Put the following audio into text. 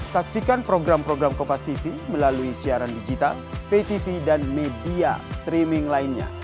saksikan program program kompastv melalui siaran digital ptv dan media streaming lainnya